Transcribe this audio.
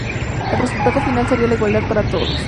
El resultado final sería la igualdad para todos.